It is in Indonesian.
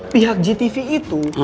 pihak gtv itu